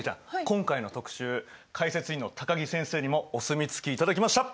今回の特集解説委員の高木先生にもお墨付き頂きました。